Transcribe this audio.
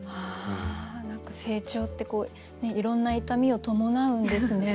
何か成長っていろんな痛みを伴うんですね。